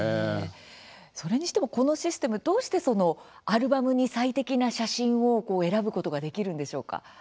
このシステムどうしてアルバムに最適な写真を選ぶことができるんでしょうか？